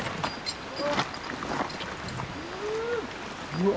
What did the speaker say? うわ。